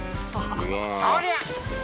「そりゃ！」